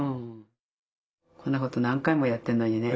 こんなこと何回もやってんのにね。